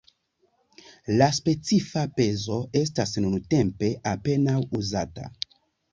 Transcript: La specifa pezo estas nuntempe apenaŭ uzata.